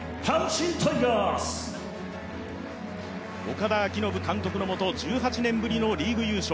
岡田彰布監督のもと１８年ぶりのリーグ優勝。